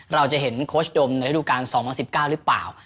เราจะเห็นโค้ชดมในฤดูการ๒๐๑๙หรือเปล่า